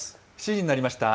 ７時になりました。